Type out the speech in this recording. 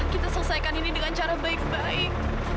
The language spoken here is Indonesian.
kita selesaikan ini dengan cara baik baik